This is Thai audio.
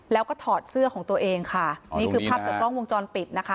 แล้วก็ถอดเสื้อของตัวเองค่ะนี่คือภาพจากกล้องวงจรปิดนะคะ